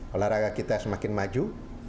olahraga kita semakin maju